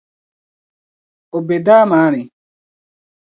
O be daa maa ni.